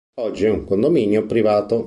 Oggi è un condominio privato.